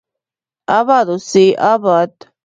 اباد اوسي اباد